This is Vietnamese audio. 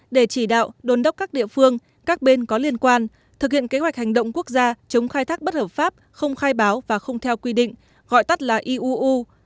để chỉ đạo đồn đốc các địa phương các bên có liên quan thực hiện kế hoạch hành động quốc gia chống khai thác bất hợp pháp không khai báo và không theo quy định gọi tắt là iuu